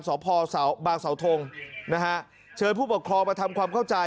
สพบางสาวทงนะฮะเชิญผู้ปกครองมาทำความเข้าใจ